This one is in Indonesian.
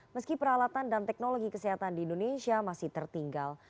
meski peralatan dan teknologi kesehatan di indonesia masih tertinggal